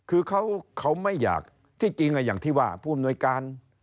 คือเขาไม่อยากอย่าพูดจากหน้าการ